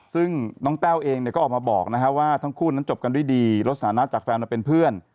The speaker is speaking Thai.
ซึ่งน้องแต้วเองก็ออกมาบอกว่าทั้งคู่นั้นจบกันด้วยดีลดสถานะจากแฟนมาเป็นเพื่อน